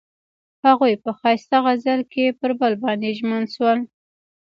هغوی په ښایسته غزل کې پر بل باندې ژمن شول.